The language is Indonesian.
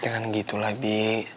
jangan gitu lah bi